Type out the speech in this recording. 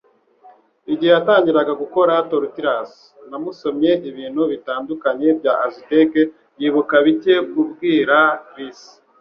Igihe yatangiraga gukora tortillas, namusomye ibintu bitandukanye bya Aztec, yibuka bike kubwira Chris.